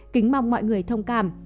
kính mong mọi người thông cảm